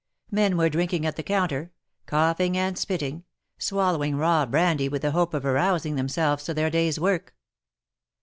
Men were drinking at the counter — coughing and spitting — swallowing raw brandy with the hope of arous ing themselves to their day's work.